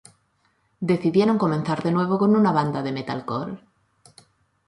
Decidieron comenzar de nuevo con una banda de metalcore.